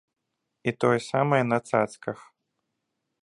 І тое самае на цацках.